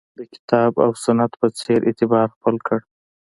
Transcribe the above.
د کتاب او سنت په څېر اعتبار خپل کړ